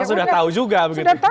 sudah tahu juga